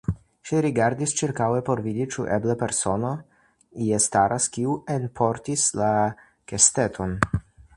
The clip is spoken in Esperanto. Ŝi rigardas ĉirkaŭe por vidi, ĉu eble persono ie staras, kiu enportis la kesteton.